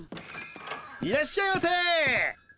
いらっしゃいませ。